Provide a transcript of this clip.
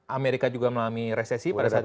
amerika juga melalui resesi pada saat itu